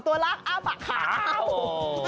๒ตัวล้างอ้าวแปลกขาว